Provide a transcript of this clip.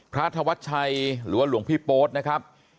พระธวัชชัยหรือว่าหลวงพี่โป๊ดนะครับ